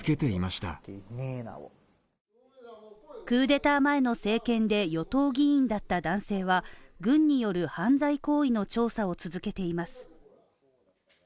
クーデター前の政権で与党議員だった男性は軍による犯罪行為の調査を続けています。